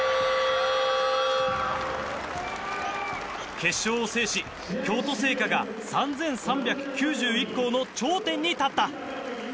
決勝を制し、京都精華が３３９１校の頂点に立った！